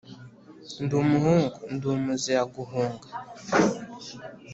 Ndi umuhungu ndi umuzira guhunga